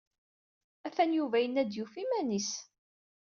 Atan Yuba yenna-d yufa iman-is.